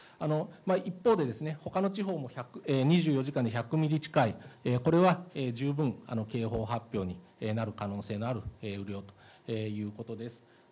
一方で、ほかの地方も２４時間で１００ミリ近い、これは十分警報発表になる可能性がある雨量ということです。